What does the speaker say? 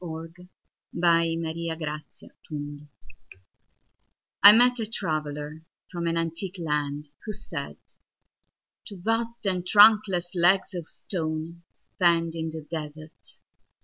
Ozymandias of Egypt I MET a traveller from an antique landWho said:—Two vast and trunkless legs of stoneStand in the desert.